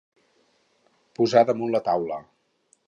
Posar damunt la taula.